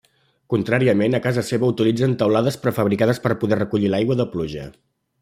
Contràriament, a casa seva utilitzen teulades prefabricades per poder recollir l'aigua de pluja.